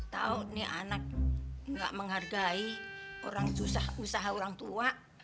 tau nih anak nggak menghargai orang usaha orang tua